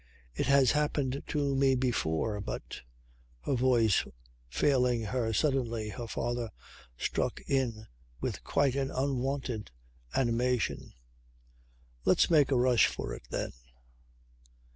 It has happened to me before but " Her voice failing her suddenly her father struck in with quite an unwonted animation. "Let's make a rush for it, then."